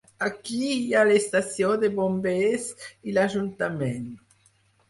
Aquí hi ha l'estació de bombers i l'ajuntament.